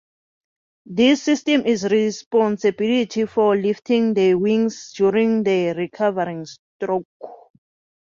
This system is responsible for lifting the wings during the recovery stroke.